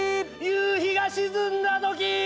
夕日が沈んだときー。